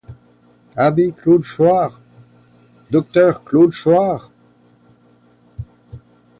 Abbé Claude Choart! docteur Claude Choart !